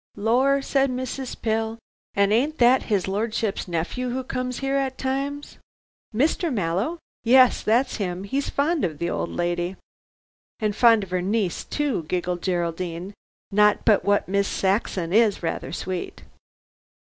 "Lor," said Mrs. Pill, "and ain't that his lordship's nephew who comes here at times?" "Mr. Mallow? Yes! That's him. He's fond of the old lady." "And fond of her niece, too," giggled Geraldine; "not but what Miss Saxon is rather sweet."